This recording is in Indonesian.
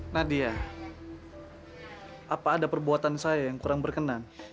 nadia apa ada perbuatan saya yang kurang berkenan